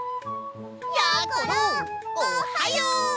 やころおはよう！